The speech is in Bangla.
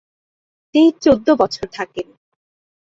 তিনি চৌদ্দ বছর থাকেন।